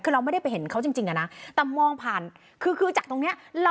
คือเราไม่ได้ไปเห็นเขาจริงอะนะแต่มองผ่านคือจากตรงนี้